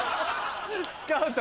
スカウト？